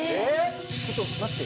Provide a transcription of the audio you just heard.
ちょっと待って。